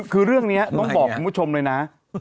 คือเรื่องนี้ต้องบอกคุณผู้ชมเลยนะ